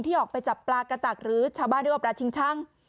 ออกไปจับปลากระตักหรือชาวบ้านเรียกว่าปลาชิงช่าง